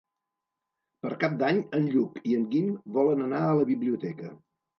Per Cap d'Any en Lluc i en Guim volen anar a la biblioteca.